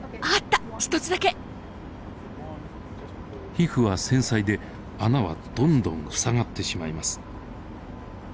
皮膚は繊細で穴はどんどん塞がってしまいます。